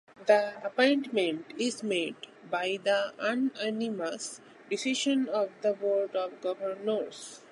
The appointment is made by the unanimous decision of the Board of Governors.